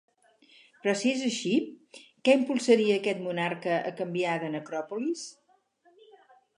Però, si és així, què impulsaria a aquest monarca a canviar de necròpolis?